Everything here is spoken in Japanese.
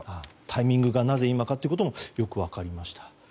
タイミングが、なぜ今かということも分かりました。